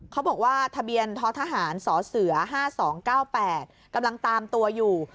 เขาบอกว่าทะเบียนท้อทหารสเส๕๒๙๘กำลังตามตัวอยู่